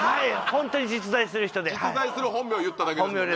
ホントに実在する人で実在する本名言っただけですね